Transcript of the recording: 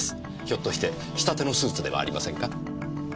ひょっとして仕立てのスーツではありませんか？